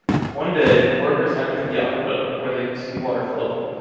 One day, the workers entered the aqueduct, where they could see water flowing.